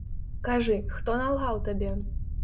Кажы, хто налгаў табе?